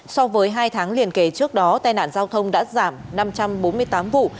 so với hai tháng liền kề trước đó tai nạn giao thông đã giảm năm trăm bốn mươi tám vụ